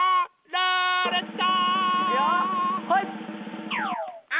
ルーレット！